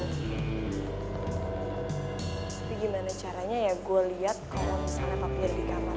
tapi gimana caranya ya gue lihat kalau misalnya papunya ada di kamar